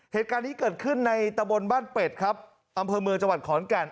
เหตุการณ์นี้เกิดขึ้นในตะบนบ้านเป็ดครับอำเภอเมืองจังหวัดขอนแก่น